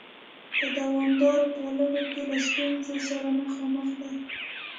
په دوامداره پاللو کې له ستونزو سره مخامخ دي؟